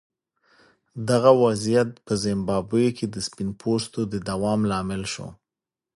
دغه وضعیت په زیمبابوې کې د سپین پوستو د دوام لامل شو.